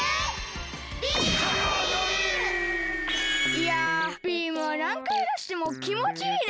いやビームはなんかいだしてもきもちいいね。